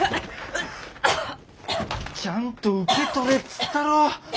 ちゃんと受け取れっつったろ？